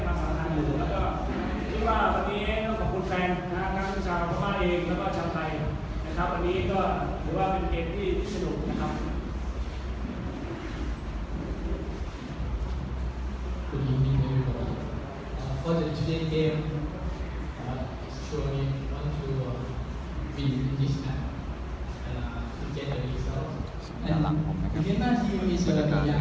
เพราะว่าตามแรงที่ยังไม่ได้ถามสุดและกรอบไฟนอลสนับสนุนยังให้ความสำคัญอยู่